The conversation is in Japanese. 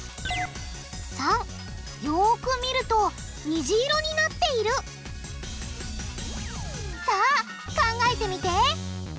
③よく見るとにじ色になっているさあ考えてみて！